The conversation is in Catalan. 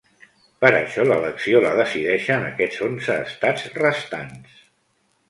Per això l’elecció la decideixen aquests onze estats restants.